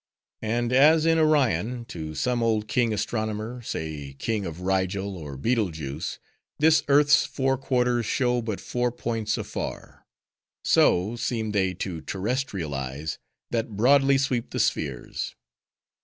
And as in Orion, to some old king astronomer,—say, King of Rigel, or Betelguese,—this Earth's four quarters show but four points afar; so, seem they to terrestrial eyes, that broadly sweep the spheres.